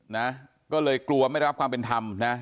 นะก็เลยกลัวไม่ได้รับความเป็นธรรมนะ